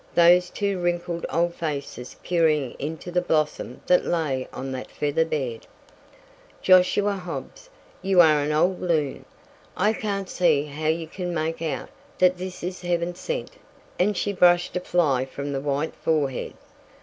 Those two wrinkled old faces peering into the blossom that lay on that feather bed! "Josiah Hobbs! You are an old loon! I can't see how you kin make out that this is heaven sent," and she brushed a fly from the white forehead.